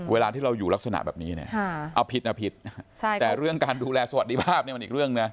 เวลาที่เราอยู่ลักษณะแบบนี้